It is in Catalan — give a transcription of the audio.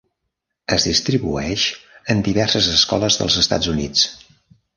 Es distribueix en diverses escoles dels Estats Units.